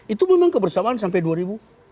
itu memang kebersamaan sampai dua ribu dua puluh empat